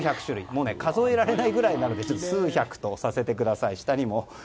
もう数えられないくらいなので数百とさせてください。